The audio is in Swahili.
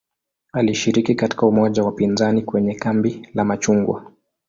Alishiriki katika umoja wa upinzani kwenye "kambi la machungwa".